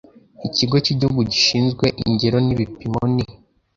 Ikigo cy igihugu gishinzwe ingero n ibipimo ni